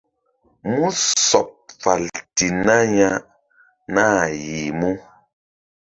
Mú sɔɓ fal ti nah ya nah yih mu.